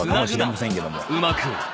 うまく。